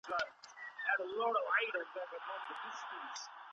اساسي روغتیایي مرکزونه چيري دي؟